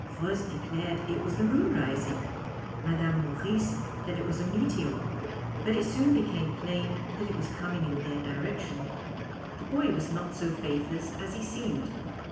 Rose declared it was the moon rising, Mme. Maurice that it was a meteor, but it soon became plain that it was coming in their direction. The boy was not so faithless as he seemed.